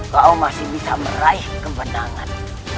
kau masih bisa meraih kemenangan